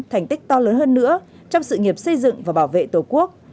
thành tích to lớn hơn nữa trong sự nghiệp xây dựng và bảo vệ tổ quốc